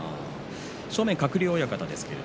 正面は鶴竜親方です。